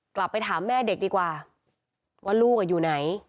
กลับไปถามแม่เด็กดีกว่าว่าลูกอยู่ไหน